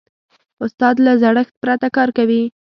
استاد له زړښت پرته کار کوي.